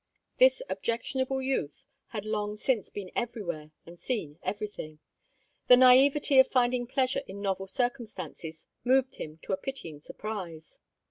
This objectionable youth had long since been everywhere and seen everything. The naivete of finding pleasure in novel circumstances moved him to a pitying surprise.